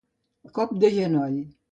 Cop de genoll.